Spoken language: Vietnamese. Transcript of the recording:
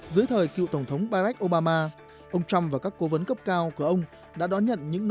dưới thời cựu tổng thống barack obama ông trump và các cố vấn cấp cao của ông